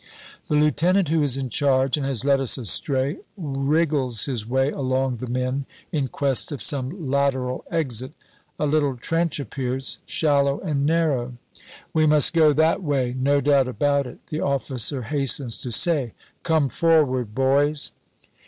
The lieutenant who is in charge and has led us astray, wriggles his way along the men in quest of some lateral exit. A little trench appears, shallow and narrow. "We must go that way, no doubt about it," the officer hastens to say. "Come, forward, boys."